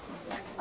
あ！